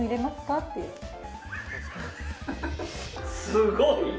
すごい。